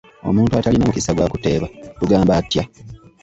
Omuntu atalina mukisa gwa kuteeba tugamba atya?